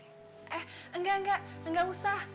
eh enggak enggak enggak enggak usah